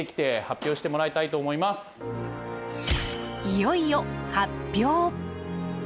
いよいよ発表！